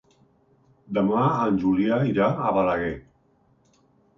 Demà en Julià irà a Balaguer.